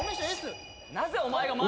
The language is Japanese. なぜお前が前？